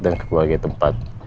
dan kebagai tempat